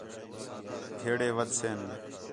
پھیڑے ودھ سِن